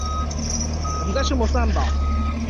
我們在吃摩斯漢堡